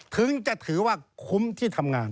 ถึงจะถือว่าคุ้มที่ทำงาน